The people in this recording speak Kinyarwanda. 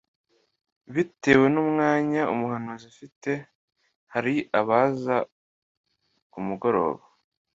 Bitewe n’umwanya umuhanzi afite hari abaza ku mugoroba